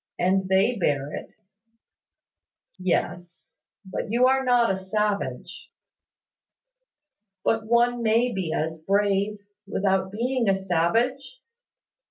And they bear it." "Yes; but you are not a savage." "But one may be as brave, without being a savage.